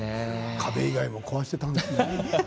壁以外も壊していたんですね。